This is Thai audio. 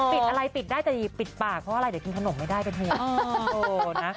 ปิดอะไรปิดได้แต่อย่าปิดปากเพราะว่าอะไรเดี๋ยวกินขนมไม่ได้กันเถอะ